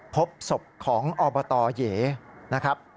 พบศพของอบตเหยนะครับ